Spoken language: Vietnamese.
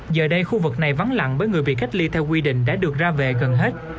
giờ đây khu vực này vắng lặng bởi người bị cách ly theo quy định đã được ra về gần hết